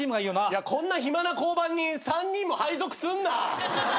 こんな暇な交番に３人も配属すんな！